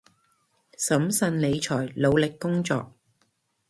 審慎理財，努力工作